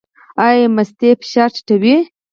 ایا مستې فشار ټیټوي؟